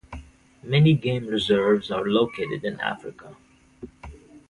Many game reserves are located in Africa.